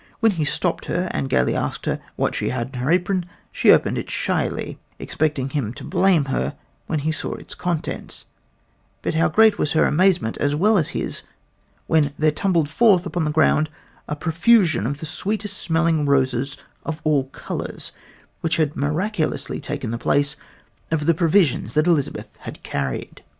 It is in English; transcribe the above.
When he stopped her and gaily asked her what she had in her apron, she opened it shyly, expecting him to blame her when he saw its contents but how great was her amazement as well as his when there tumbled forth upon the ground a profusion of the sweetest smelling roses of all colors, which had miraculously taken the place of the provisions that Elizabeth had carried!